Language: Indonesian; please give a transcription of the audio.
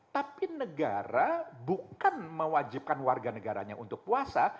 tapi negara bukan mewajibkan warga negaranya untuk puasa